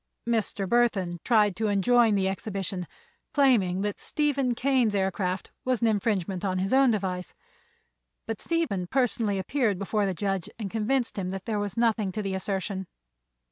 Mr. Burthon tried to enjoin the exhibition, claiming that Stephen Kane's aircraft was an infringement on his own device; but Stephen personally appeared before the judge and convinced him there was nothing in the assertion.